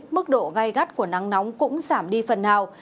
mức độ gai gắt của nắng nóng cũng giảm đi phần nào